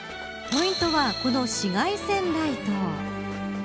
ポイントはこの紫外線ライト。